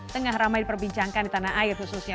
tengah ramai diperbincangkan di tanah air khususnya